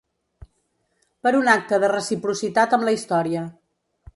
Per un acte de reciprocitat amb la història.